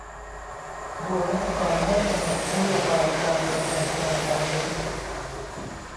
โดยรัฐบาลได้กำหนดนโยบายการดำเนินการดังนี้